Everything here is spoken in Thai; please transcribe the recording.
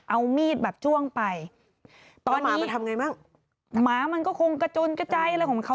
เอามีดแบบจ้วงไปตอนหมามันทำไงบ้างหมามันก็คงกระจุนกระจายอะไรของเขา